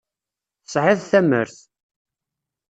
Tesɛiḍ tamert.